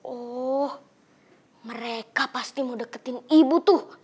oh mereka pasti mau deketin ibu tuh